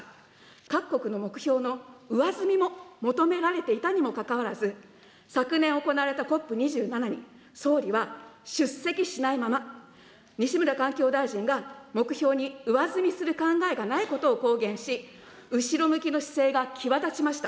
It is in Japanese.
各国の目標の上積みも求められていたにもかかわらず、昨年行われたＣＯＰ２７に総理は出席しないまま、西村環境大臣が目標に上積みする考えがないことを公言し、後ろ向きの姿勢が際立ちました。